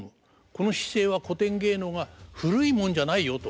この姿勢は古典芸能が古いもんじゃないよと。